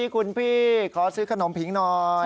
คุณพี่ขอซื้อขนมผิงหน่อย